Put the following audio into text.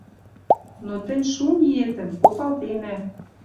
Но тӹнь шу ниэтӹм, попалтенӓ